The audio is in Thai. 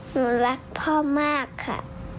หนูรักพ่อมากค่ะ